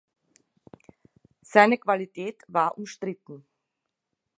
Seine Qualität war umstritten.